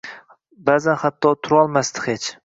Ba’zan hatto turolmasdi hech.